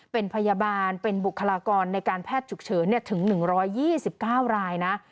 เป็นพยาบาลเป็นบุคลากรในการแพทย์ฉุกเฉินถึง๑๒๙รายนะ